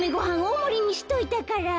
おおもりにしといたから」。